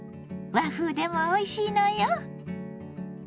和風でもおいしいのよ。